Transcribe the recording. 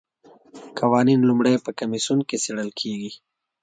قوانین لومړی په کمیسیون کې څیړل کیږي.